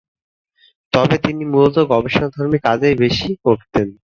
তবে তিনি মূলত গবেষণাধর্মী কাজই বেশি করতেন।